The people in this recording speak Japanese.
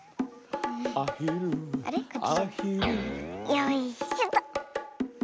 よいしょと。